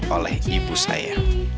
oleh ibu saya